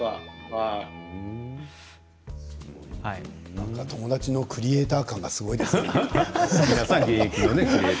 なんか、友達のクリエーター感がすごいですね。